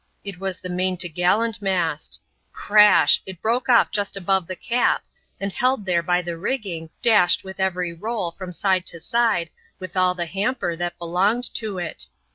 It was the main t' gallant mast. Crash ! it broke off just above the cap, and held there by the rigging, dashed with every roll, from side to side, with all the hamper that belonged to it.